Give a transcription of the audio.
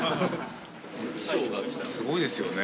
衣装がすごいですよね。